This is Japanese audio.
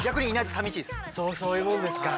そういうもんですか。